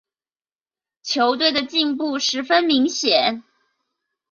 球队的进步十分明显。